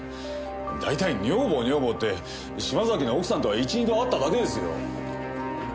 だいたい女房女房って島崎の奥さんとは１２度会っただけですよ。